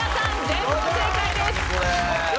全問正解です。